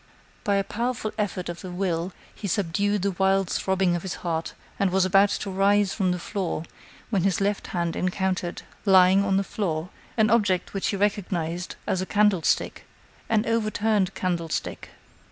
By a powerful effort of the will, he subdued the wild throbbing of his heart, and was about to rise from the floor when his left hand encountered, lying on the floor, an object which he recognized as a candlestick an overturned candlestick.